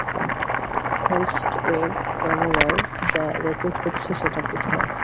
হলস্ট-এর ক্যামেরায় যা রেকর্ড হচ্ছে, সেটা কোথায়?